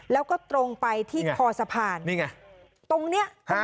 แล้วก็ตรงไปที่คอสะพานตรงนี้นี่ไงฮะ